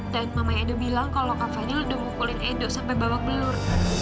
dan mama edo bilang kalau kak fadil udah mukulin edo sampai bawak belur